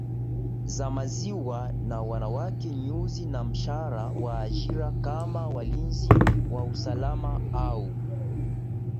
za maziwa na wanawake nyuzi na mshahara wa ajira kama walinzi wa usalama au